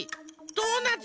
ドーナツ。